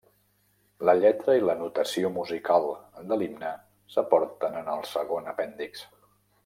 La lletra i la notació musical de l'himne s'aporten en el segon apèndix.